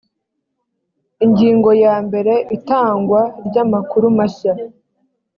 ingingo ya mbere itangwa ry amakuru mashya